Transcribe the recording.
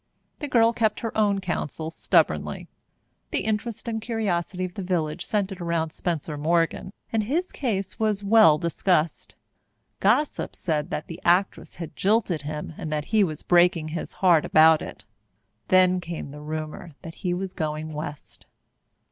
The girl kept her own counsel stubbornly. The interest and curiosity of the village centred around Spencer Morgan, and his case was well discussed. Gossip said that the actress had jilted him and that he was breaking his heart about it. Then came the rumour that he was going West.